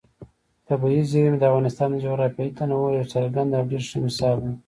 طبیعي زیرمې د افغانستان د جغرافیوي تنوع یو څرګند او ډېر ښه مثال دی.